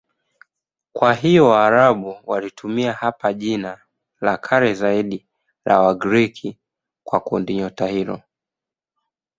Kwa hiyo Waarabu walitumia hapa jina la kale zaidi la Wagiriki kwa kundinyota hili.